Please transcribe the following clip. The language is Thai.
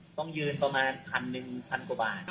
ต้องยืนประมาณ๑๐๐๐บาท